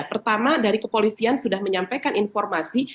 pertama dari kepolisian sudah menyampaikan informasi